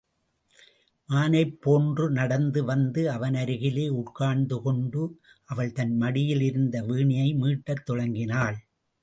மானைப்போன்று நடந்து வந்து அவனருகிலே உட்கார்ந்து கொண்டு, அவள் தன் மடியில் இருந்த வீணையை மீட்டத் தொடங்கினாள்.